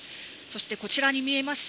そしてこちらに見えます